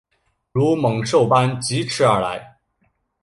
如猛兽般疾驶而来